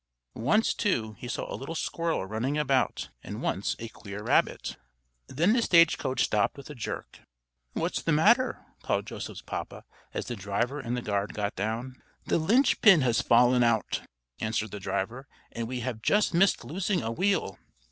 Once, too, he saw a little squirrel running about, and once a queer rabbit. Then the stage coach stopped with a jerk. "What's the matter?" called Joseph's papa, as the driver and the guard got down. "The linch pin has fallen out," answered the driver, "and we have just missed losing a wheel."